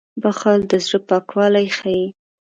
• بښل د زړه پاکوالی ښيي.